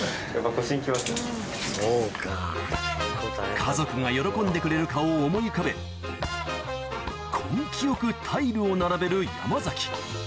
家族が喜んでくれる顔を思い浮かべ根気よくタイルを並べる山崎